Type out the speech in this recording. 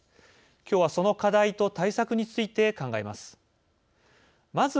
きょうはその課題と対策について考えます。